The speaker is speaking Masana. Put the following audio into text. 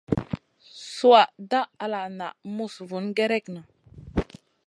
Sùha dah ala na muss vun gerekna.